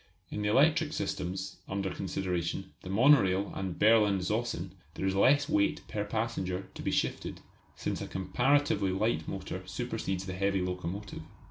In the electric systems under consideration the monorail and Berlin Zossen there is less weight per passenger to be shifted, since a comparatively light motor supersedes the heavy locomotive.